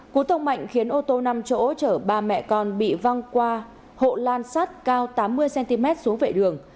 cú tông mạnh khiến ô tô năm chỗ chở ba mẹ con bị văng qua hộ lan sắt cao tám mươi cm xuống vệ đường